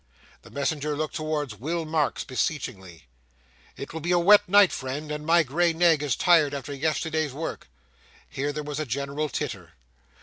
The messenger looked towards Will Marks beseechingly. 'It will be a wet night, friend, and my gray nag is tired after yesterday's work—' Here there was a general titter.